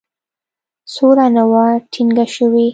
سوله نه وه ټینګه شوې.